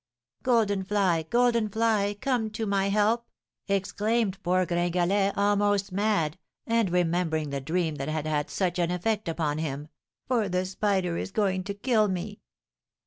'Golden fly, golden fly, come to my help!' exclaimed poor Gringalet, almost mad, and remembering the dream that had had such an effect upon him, 'for the spider is going to kill me!'